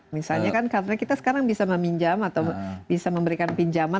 misalnya kan karena kita sekarang bisa meminjam atau bisa memberikan pinjaman